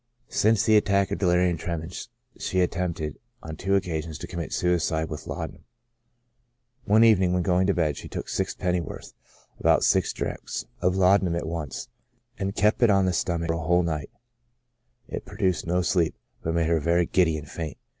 Since the attack of delirium tremens, she attempted, on 4 50 CHRONIC ALCOHOLISM. two occasions, to commit suicide with laudanum. One evening when going to bed, she took six pennyworth (about six drachms) of laudanum at once, and kept it on the sto mach for a whole night ; it produced no sleep, but made her very giddy and faint.